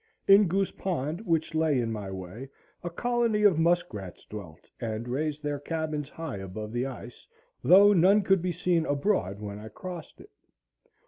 In Goose Pond, which lay in my way, a colony of muskrats dwelt, and raised their cabins high above the ice, though none could be seen abroad when I crossed it.